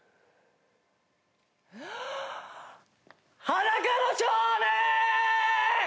『裸の少年』！！